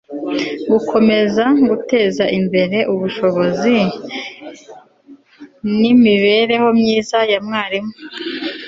gukomeza guteza imbere ubushobozi n'imibereho myiza ya mwarimu